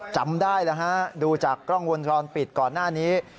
จำได้แล้วฮะดูจากกล้องวงจรปิดก่อนหน้านี้